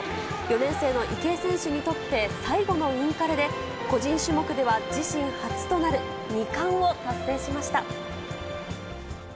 ４年生の池江選手にとって、最後のインカレで、個人種目では自身初となる２冠を達成しました。